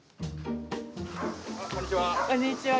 こんにちは。